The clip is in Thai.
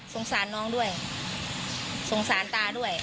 สงสารน้องด้วยสงสารตาด้วย